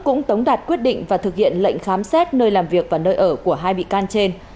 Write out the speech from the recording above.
cũng tống đạt quyết định và thực hiện lệnh khám xét nơi làm việc và nơi ở của hai bị can trên